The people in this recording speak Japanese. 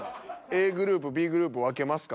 ＡグループＢグループ分けますか？